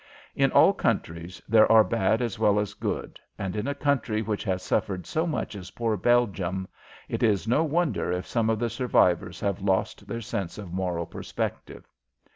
In all countries there are bad as well as good, and in a country which has suffered so much as poor Belgium it is no wonder if some of the survivors have lost their sense of moral perspective.